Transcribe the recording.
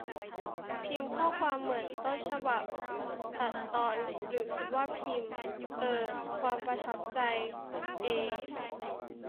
พิมพ์ข้อความเหมือนต้นฉบับ ตัดตอน หรือว่าพิมพ์ เอ่อ ความประทับใจ เอ